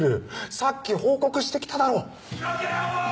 さっき報告して来ただろ。